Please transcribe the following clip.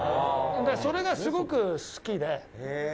それがすごく好きで。